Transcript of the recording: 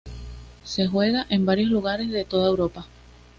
Se juega en varios lugares de toda Europa.